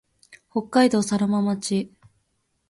北海道佐呂間町